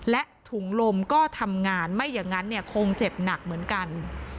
และถุงลมก็ทำงานไม่อย่างนั้นคงเจ็บหนักเหมือนกัน